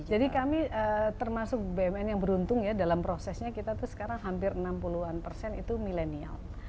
jadi kami termasuk bumn yang beruntung ya dalam prosesnya kita tuh sekarang hampir enam puluh an persen itu millennial